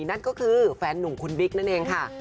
นั่นก็คือแฟนหนุ่มคุณบิ๊กนั่นเองค่ะ